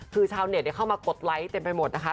คือชาวเน็ตเข้ามากดไลค์เต็มไปหมดนะคะ